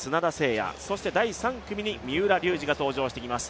弥、第３組に三浦龍司が登場してきます。